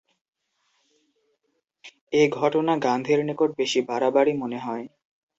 এ ঘটনা গান্ধীর নিকট বেশি বাড়াবাড়ি মনে হয়।